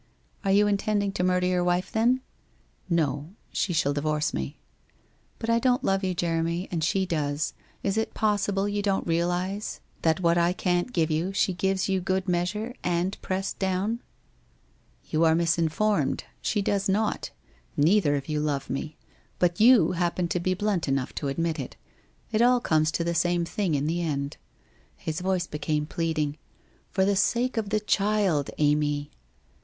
' Are you intending to murder your wife, then? '' No. She shall divorce me.' * But I don't love you, Jeremy, and she does. Is it possi ble you don't realize that what I can't give you, she gives you good measure and pressed down? " 368 WHITE ROSE OF WEARY LEAF ' You are misinformed. She does not. Neither of you love me, but you happen to be blunt enough to admit it. It all comes to the same thing in the end.' His voice be came pleading. 'For the sake of the child, Amy?'